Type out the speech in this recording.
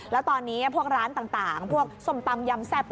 แล้วตอนนี้พวกร้านต่างพวกส้มตำยำแซ่บ